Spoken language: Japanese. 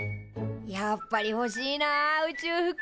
やっぱりほしいな宇宙服。